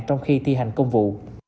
trong khi thi hành công vụ